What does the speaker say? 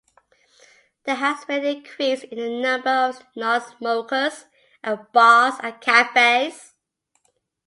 There has been an increase in the number of non-smokers at bars and cafes.